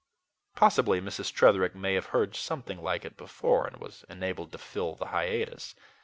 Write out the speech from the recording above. Possibly Mrs. Tretherick may have heard something like it before, and was enabled to fill the hiatus.